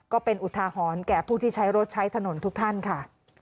ก็เป็นอุทาหรณ์แก่ผู้ที่ใช้รถใช้ถนนทุกท่านค่ะ